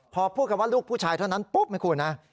พอพูดกันว่าลูกผู้ชายเท่านั้นปุ๊บไหมคุณนะ